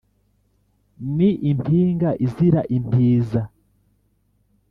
ni impinga izira impiza